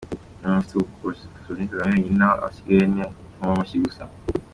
Umuntu ufite ubwo bushobozi ni Kagame wenyine naho abasigaye ni inkomamashyi gusa.